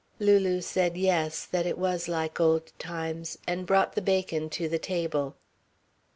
Lulu said yes, that it was like old times, and brought the bacon to the table.